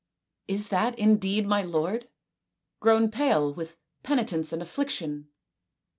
" Is that indeed my lord, grown pale with penitence and affliction